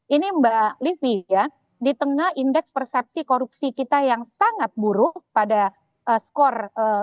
ini mbak livi ya di tengah indeks persepsi korupsi kita yang sangat buruk pada skor dua